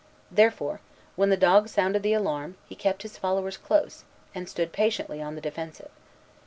Therefore, when the dogs sounded the alarm, he kept his followers close, and stood patiently on the defensive.